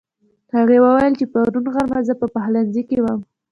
هغې وويل چې پرون غرمه زه په پخلنځي کې وم